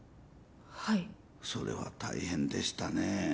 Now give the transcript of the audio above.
はいそれは大変でしたねえ